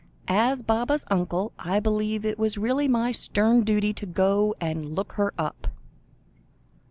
"As Baba's uncle, I believe it was really my stern duty to go and look her up."